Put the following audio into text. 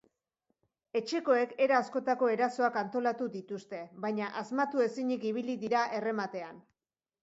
Etxekoek era askotako erasoak antolatu dituzte, baina asmatu ezinik ibili dira errematean.